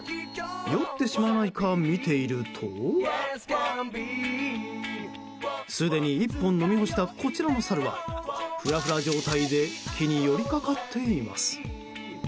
酔ってしまわないか見ているとすでに１本飲み干したこちらのサルはフラフラ状態で木に寄りかかっています。